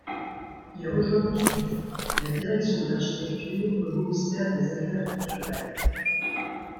Il rejoint ensuite la direction de l'Architecture au ministère des Affaires culturelles.